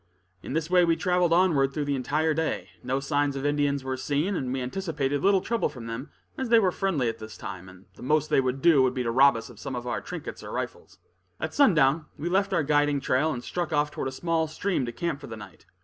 In this way we traveled onward through the entire day. No signs of Indians were seen, and we anticipated little trouble from them, as they were friendly at this time, and the most they would do would be to rob us of some of our trinkets or rifles. At sundown we left our guiding trail and struck off toward a small stream to camp for the night.